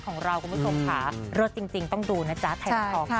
แม่งอะไรอย่างนี้